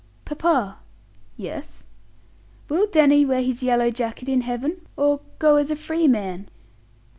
"Papa!" "Yes." "Will Danny wear his yellow jacket in Heaven, or go as a free man?"